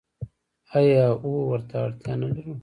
آیا او ورته اړتیا نلرو؟